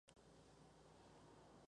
Hay varias alusiones a Hamlet.